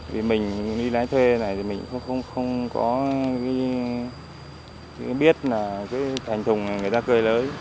vì mình đi lái thuê này thì mình không có biết là cái thành thùng này người ta cười lỡi